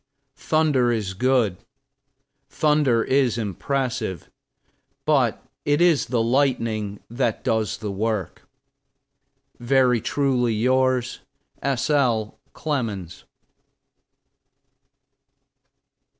Thunder is good, thunder is impressive; but it is the lightning that does the work. Very truly yours, S. L. CLEMENS.